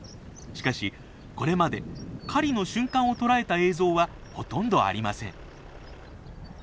しかしこれまで狩りの瞬間を捉えた映像はほとんどありません。